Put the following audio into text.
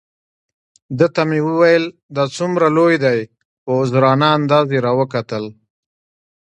ده ته مې وویل: دا څومره لوی دی؟ په عذرانه انداز یې را وکتل.